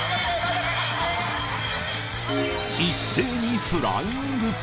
一斉にフライング。